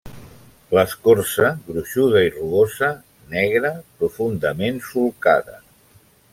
L'escorça gruixuda i rugosa, negra, profundament solcada.